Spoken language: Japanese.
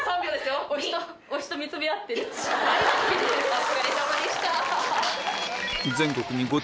お疲れさまでした。